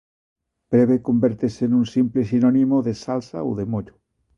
Prebe convértese nun simple sinónimo de salsa ou de mollo.